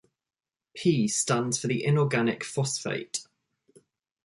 P stands for the inorganic phosphate.